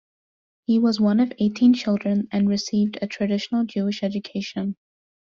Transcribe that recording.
He was one of eighteen children and received a traditional Jewish education.